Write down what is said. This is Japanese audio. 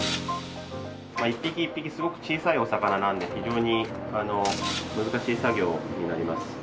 １匹１匹すごく小さいお魚なんで非常に難しい作業になります。